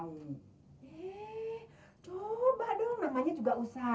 iya dah yang penting komisinya raya